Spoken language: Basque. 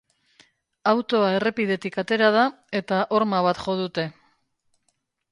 Autoa errepidetik atera da eta horma bat jo dute.